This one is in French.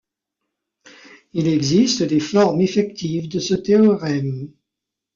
Il existe des formes effectives de ce théorème.